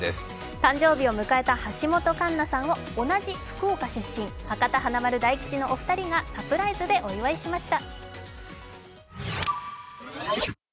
誕生日を迎えた橋本環奈さんを同じ福岡出身、博多華丸・大吉のお二人がサプライズでお祝いしました。